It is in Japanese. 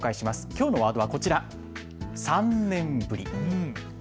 きょうのワードはこちら、３年ぶり。